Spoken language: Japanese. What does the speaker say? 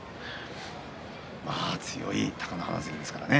強い貴乃花関ですからね。